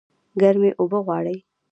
ګرمي اوبه غواړي